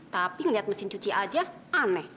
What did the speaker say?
tapi ngeliat mesin cuci aja aneh